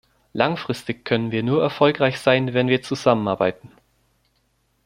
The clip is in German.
Langfristig können wir nur erfolgreich sein, wenn wir zusammenarbeiten.